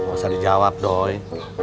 nggak usah dijawab doi